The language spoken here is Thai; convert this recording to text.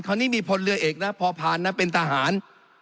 นี้มีพลเรือเอกนะพอผ่านนะเป็นทหาร